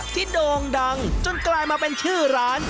โด่งดังจนกลายมาเป็นชื่อร้าน